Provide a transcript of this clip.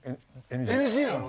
ＮＧなの？